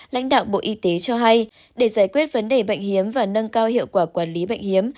lãnh đạo bộ y tế cho hay để giải quyết vấn đề bệnh hiếm và nâng cao hiệu quả quản lý bệnh hiếm